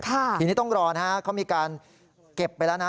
ทีนี้ต้องรอนะฮะเขามีการเก็บไปแล้วนะ